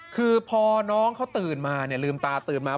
คือพอน้องเขาตื่นมาลืมตาตื่นมา